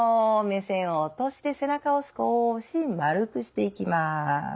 目線を落として背中を少し丸くしていきます。